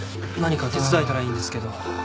何か手伝えたらいいんですけど。